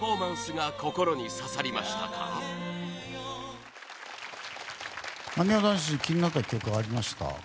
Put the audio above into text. なにわ男子気になった曲ありました？